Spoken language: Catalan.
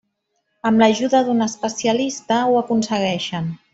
Amb l'ajuda d'un especialista, ho aconsegueixen.